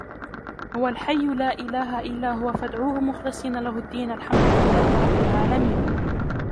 هو الحي لا إله إلا هو فادعوه مخلصين له الدين الحمد لله رب العالمين